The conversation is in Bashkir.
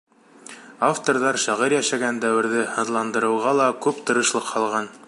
Авторҙар шағир йәшәгән дәүерҙе һынландырыуға ла күп тырышлыҡ һалған.